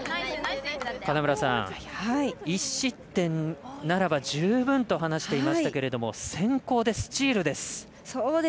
金村さん、１失点ならば十分と話していましたけれども先攻でスチールです。